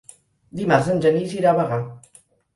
Dimarts en Genís irà a Bagà.